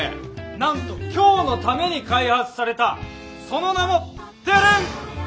なんと今日のために開発されたその名もテレンッ！